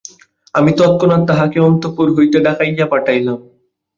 আমি তৎক্ষণাৎ তাহাকে অন্তঃপুর হইতে ডাকাইয়া পাঠাইলাম।